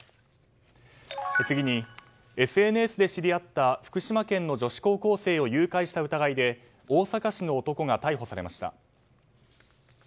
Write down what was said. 次に、ＳＮＳで知り合った福島県の女子高校生を誘拐した疑いで大阪市の男が逮捕されました。